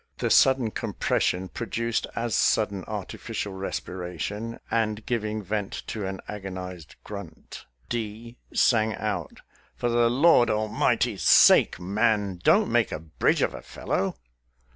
The sudden compression produced as sudden artificial respiration, and giving vent to an agonized grunt, D sang 174 SOLDIER'S LETTERS TO CHARMING NELLIE out, " For the Lord Almighty's sake, man, don't make a bridge of a fellow